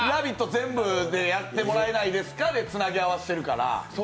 全部でやってもらえないですかでつなぎ合わせてるから。